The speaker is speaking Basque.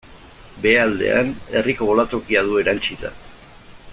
Behealdean, herriko bolatokia du erantsita.